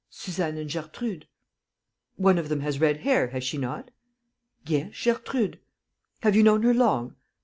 "Suzanne and Gertrude." "One of them has red hair, has she not?" "Yes, Gertrude." "Have you known her long?"